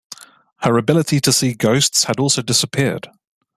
Her ability to see ghosts had also disappeared.